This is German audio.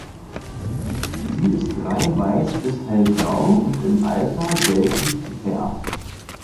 Sie ist reinweiß bis hellgrau und im Alter gelblich gefärbt.